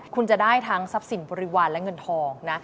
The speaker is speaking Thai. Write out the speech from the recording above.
คุณจะได้ทั้งทรัพย์สินบริวารและเงินทองนะ